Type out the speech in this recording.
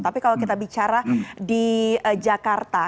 tapi kalau kita bicara di jakarta